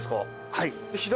はい。